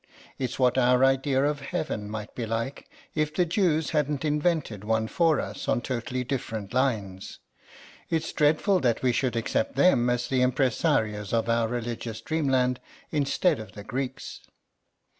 It's what our idea of Heaven might be like if the Jews hadn't invented one for us on totally different lines. It's dreadful that we should accept them as the impresarios of our religious dreamland instead of the Greeks."